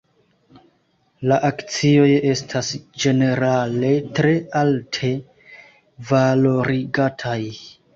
La akcioj estas ĝenerale tre alte valorigataj.